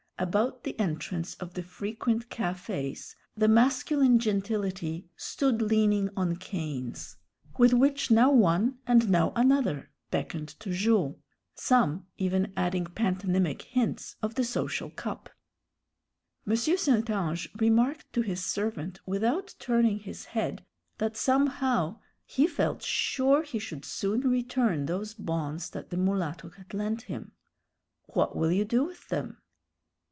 About the entrance of the frequent café's the masculine gentility stood leaning on canes, with which now one and now another beckoned to Jules, some even adding pantomimic hints of the social cup. M. St. Ange remarked to his servant without turning his head that somehow he felt sure he should soon return those bons that the mulatto had lent him. "What will you do with them?"